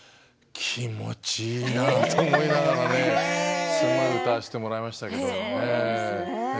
気持ちいいなあと思いながらね歌わせてもらいましたけどね。